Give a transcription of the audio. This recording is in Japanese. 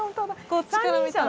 こっちから見たら。